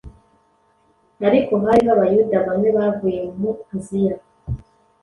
Ariko hariho Abayuda bamwe bavuye mu Asiya,